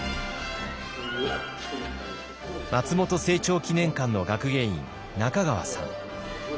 松本清張記念館の学芸員中川さん。